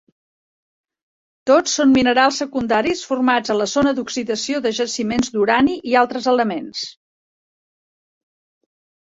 Tots són minerals secundaris, formats a la zona d'oxidació de jaciments d'urani i altres elements.